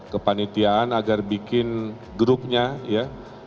kepanitiaan agar bikin grupnya ya